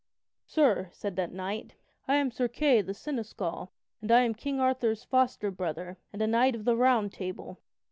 "Sir," said that knight, "I am Sir Kay the Seneschal, and am King Arthur's foster brother, and a knight of the Round Table.